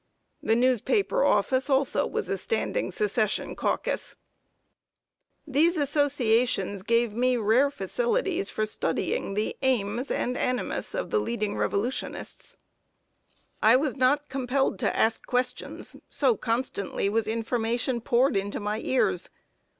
The newspaper office also was a standing Secession caucus. [Sidenote: INTENSITY OF THE SECESSION FEELING.] These associations gave me rare facilities for studying the aims and animus of the leading Revolutionists. I was not compelled to ask questions, so constantly was information poured into my ears.